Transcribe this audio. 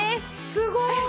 すごい！